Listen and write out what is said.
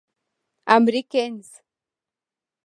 امريکنز.